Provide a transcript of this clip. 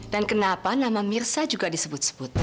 dan kenapa nama mirza juga disebut sebut